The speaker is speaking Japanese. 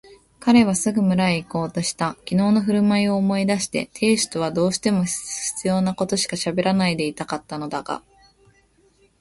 彼はすぐ村へいこうとした。きのうのふるまいを思い出して亭主とはどうしても必要なことしかしゃべらないでいたのだったが、